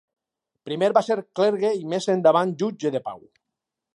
Primer va ser clergue i més endavant jutge de pau.